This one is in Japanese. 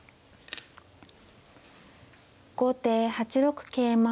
後手８六桂馬。